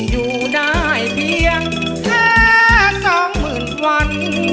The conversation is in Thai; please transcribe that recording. อยู่ได้เพียงแค่สองหมื่นวัน